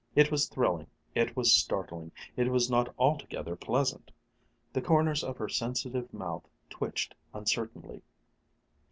It was thrilling, it was startling, it was not altogether pleasant. The corners of her sensitive mouth twitched uncertainly.